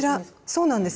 そうなんです。